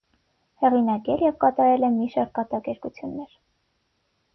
Հեղինակել և կատարել է մի շարք կատակերգություններ։